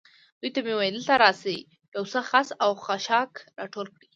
دوی ته مې وویل: دلته راشئ، یو څه خس او خاشاک را ټول کړئ.